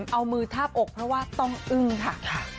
เอามือทาบอกเพราะว่าต้องอึ้งค่ะ